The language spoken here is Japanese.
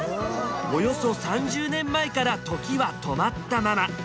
およそ３０年前から時は止まったまま！